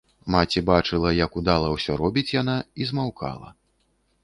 Маці бачыла, як удала ўсё робіць яна, і змаўкала.